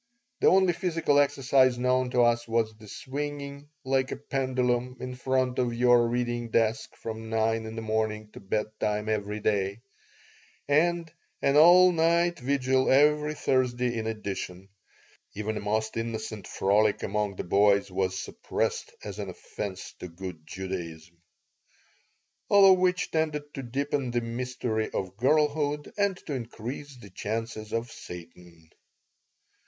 The only physical exercise known to us was to be swinging like a pendulum in front of your reading desk from nine in the morning to bedtime every day, and an all night vigil every Thursday in addition. Even a most innocent frolic among the boys was suppressed as an offense to good Judaism All of which tended to deepen the mystery of girlhood and to increase the chances of Satan.